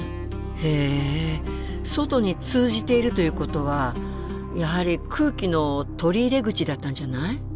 へえ外に通じているということはやはり空気の取り入れ口だったんじゃない？